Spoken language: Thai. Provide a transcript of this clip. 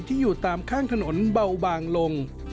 อยู่ตามข้างถนนเบาบางลง